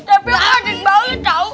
tapi aku mau dikbali tau